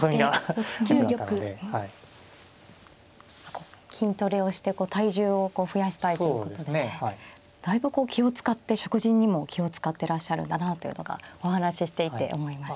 こう筋トレをして体重を増やしたいということでだいぶこう気を遣って食事にも気を遣ってらっしゃるんだなというのがお話ししていて思いました。